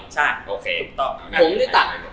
ใช่โอเคถูกต้อง